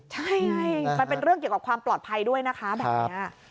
ใช่ไงมันเป็นเรื่องเกี่ยวกับความปลอดภัยด้วยนะคะแบบนี้